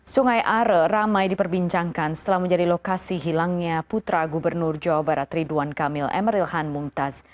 sungai are ramai diperbincangkan setelah menjadi lokasi hilangnya putra gubernur jawa barat ridwan kamil emeril han mumtaz